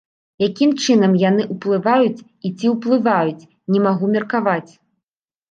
Якім чынам яны ўплываюць і ці ўплываюць, не магу меркаваць.